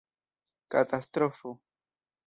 Katastrofo!